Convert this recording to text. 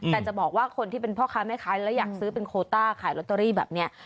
แต่จะบอกว่าคนที่เป็นพ่อค้าแม่ค้าแล้วอยากซื้อเป็นโคต้าขายลอตเตอรี่แบบนี้